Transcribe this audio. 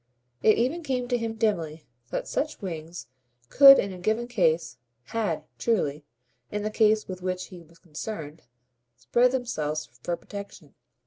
It even came to him dimly that such wings could in a given case HAD, truly, in the case with which he was concerned spread themselves for protection.